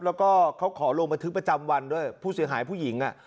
แล้วก็เขาขอลงบันทึกประจำวันด้วยผู้เสียหายผู้หญิง